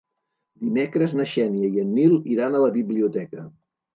Dimecres na Xènia i en Nil iran a la biblioteca.